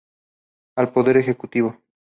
Al Poder Ejecutivo.